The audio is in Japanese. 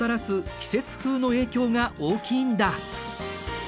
季節風の影響が大きいんだ。